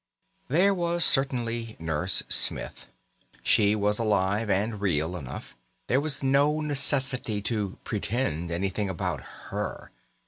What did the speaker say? There was certainly Nurse Smith. She was alive and real enough; there was no necessity to "pretend" anything about her.